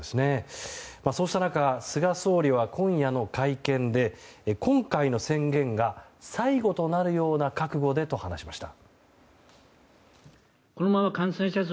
そうした中菅総理は今夜の会見で今回の宣言が最後となるような覚悟でと話しました。